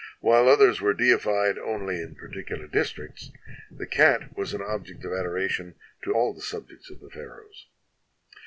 WTiile others were deified only in particular districts, the cat was an object of adoration to all the subjects of the Pharaohs.